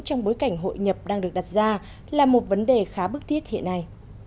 trong bối cảnh hội nhập đang được đặt ra là một vấn đề khá bức thiết hiện nay